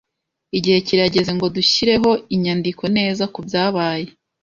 Igihe kirageze ngo dushyireho inyandiko neza kubyabaye.